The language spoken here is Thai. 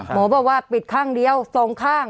หมอบอกว่าปิดข้างเดียวสองข้าง